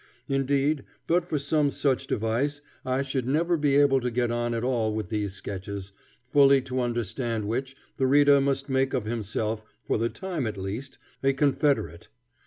Indeed, but for some such device I should never be able to get on at all with these sketches, fully to understand which, the reader must make of himself, for the time at least, a Confederate.